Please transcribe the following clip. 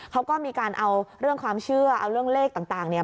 เขาก็มีการเอาเรื่องความเชื่อเอาเรื่องเลขต่างเนี่ย